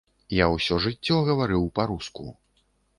Я ўсё жыццё гаварыў па-руску.